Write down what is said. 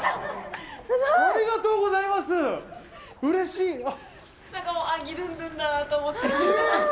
うれしい！